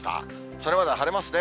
それまでは晴れますね。